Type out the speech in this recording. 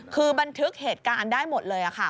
คือบันทึกเหตุการณ์ได้หมดเลยค่ะ